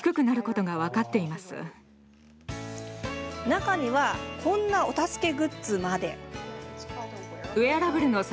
中には、こんなお助けグッズまで。